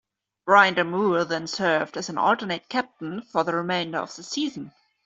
Brind'Amour then served as an alternate captain for the remainder of the season.